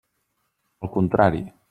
Al contrari.